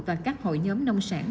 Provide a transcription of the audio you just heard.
và các hội nhóm nông sản